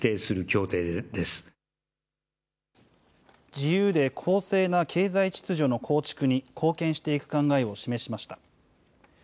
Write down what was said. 自由で公正な経済秩序の構築に貢献していく考えを示しました。